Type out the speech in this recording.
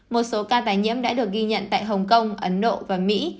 một số ca tái nhiễm đã được ghi nhận tại hồng kông ấn độ và mỹ